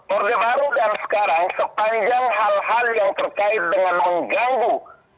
orde baru dan sekarang sepanjang hal hal yang terkait dengan mengganggu